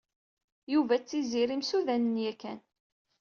Yuba d Tiziri msudanen yakan.